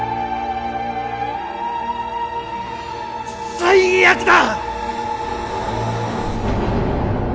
最悪だ！